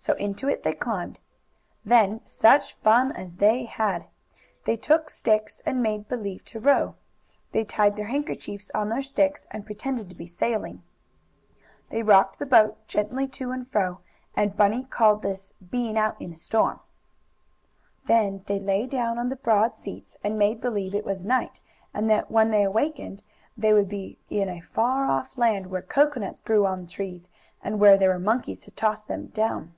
So into it they climbed. Then such fun as they had! They took sticks and made believe to row. They tied their handkerchiefs on other sticks and pretended to be sailing. They rocked the boat gently to and fro, and Bunny called this "being out in a storm." Then they lay down on the broad seats and made believe it was night and that, when they awakened, they would be in a far off land where coconuts grew on trees and where there were monkeys to toss them down.